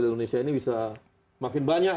indonesia ini bisa makin banyak